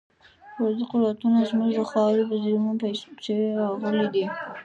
پردي قوتونه زموږ د خاورې په زیرمو پسې راغلي دي.